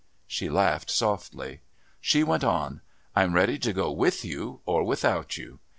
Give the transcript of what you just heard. She laughed softly. She went on: "I'm ready to go with you or without you.